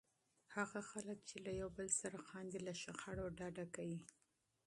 هغه خلک چې له یو بل سره خاندي، له شخړو ډډه کوي.